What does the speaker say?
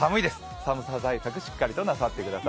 寒さ対策、しっかりとなさってください。